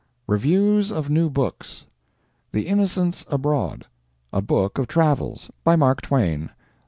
REVIEWS OF NEW BOOKS The Innocents Abroad. A Book of Travels. By Mark Twain.